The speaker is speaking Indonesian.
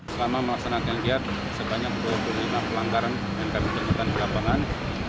selama melaksanakan giat sebanyak dua puluh lima pelanggaran yang kami temukan di lapangan